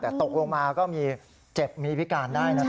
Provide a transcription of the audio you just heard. แต่ตกลงมาก็มีเจ็บมีพิการได้นะครับ